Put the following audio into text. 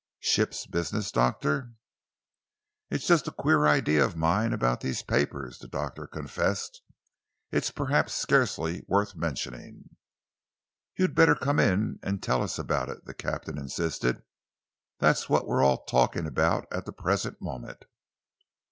"Ship's business, Doctor?" "It's just a queer idea of mine about these papers," the doctor confessed. "It's perhaps scarcely worth mentioning " "You'd better come in and tell us about it," the captain insisted. "That's what we're all talking about at the present moment."